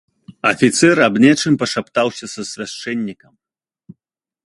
Афіцэр аб нечым пашаптаўся са свяшчэннікам.